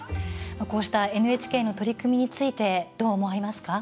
こうしたＮＨＫの取り組みについてどう思われますか。